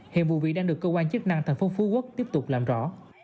hiện vụ bị đang được cơ quan chức năng tp phú quốc tiếp tục làm rõ